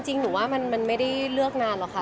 จริงหนูว่ามันไม่ได้เลือกงานหรอกค่ะ